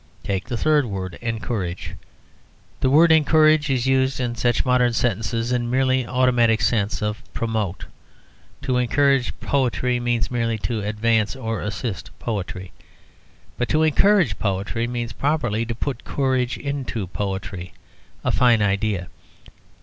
Take the third word, "encourage." The word "encourage" is used in such modern sentences in the merely automatic sense of promote; to encourage poetry means merely to advance or assist poetry. But to encourage poetry means properly to put courage into poetry a fine idea.